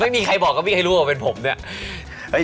ไม่มีใครบอกก็ไม่มีใครรู้ว่าเป็นผมเนี่ย